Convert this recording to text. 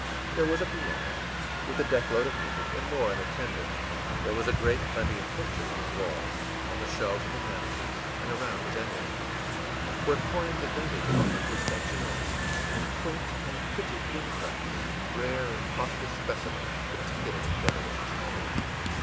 There was a piano, with a deck load of music, and more in a tender. There was a great plenty of pictures on the walls, on the shelves of the mantelpiece, and around generally; where coigns of vantage offered were statuettes, and quaint and pretty gimcracks, and rare and costly specimens of peculiarly devilish china.